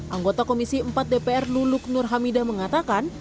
anggota komisi empat dpr luluk nur hamida mengatakan